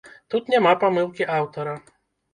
Тут няма памылкі аўтара.